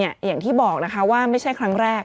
อย่างที่บอกนะคะว่าไม่ใช่ครั้งแรก